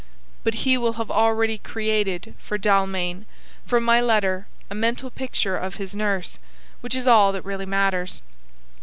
But he will have already created for Dalmain, from my letter, a mental picture of his nurse; which is all that really matters.